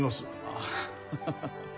あっハハハ